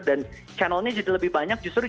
dan channelnya jadi lebih banyak justru